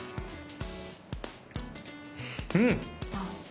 うん。